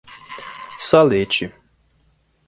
Salete